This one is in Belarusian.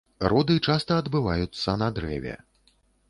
Роды часта адбываюцца на дрэве.